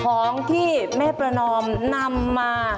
ของที่แม่ประนอมนำมา